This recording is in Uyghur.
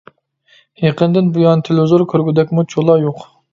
يېقىندىن بۇيان تېلېۋىزور كۆرگۈدەكمۇ چولا يوق.